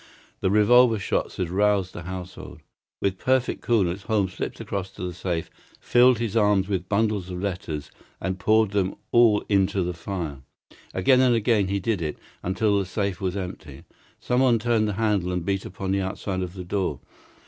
The revolver shots had roused the household. With perfect coolness Holmes slipped across to the safe, filled his two arms with bundles of letters, and poured them all into the fire. Again and again he did it, until the safe was empty. Someone turned the handle and beat upon the outside of the door.